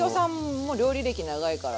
もう料理歴長いから。